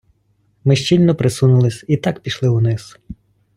Ми щільно присунулись і так пішли униз.